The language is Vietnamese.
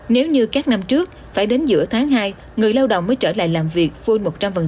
nếu như các năm trước phải đến giữa tháng hai người lao động mới trở lại làm việc phôi một trăm linh